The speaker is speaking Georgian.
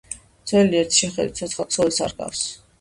ძვალი ერთი შეხედვით ცოცხალ ქსოვილს არ ჰგავს.